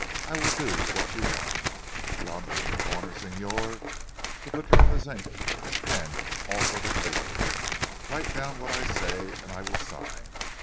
I will do what you want. Yonder in the corner Signor the padrona's ink and pen also the paper. Write down what I say, and I will sign.